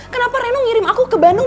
kenapa reno ngirim aku ke bandung